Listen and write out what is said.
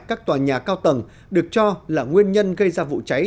các tòa nhà cao tầng được cho là nguyên nhân gây ra vụ cháy